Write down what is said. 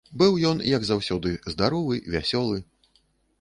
Быў ён, як заўсёды, здаровы, вясёлы.